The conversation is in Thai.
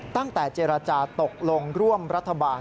ตั้งแต่เจรจาตกลงร่วมรัฐบาล